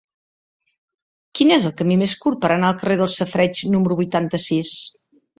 Quin és el camí més curt per anar al carrer dels Safareigs número vuitanta-sis?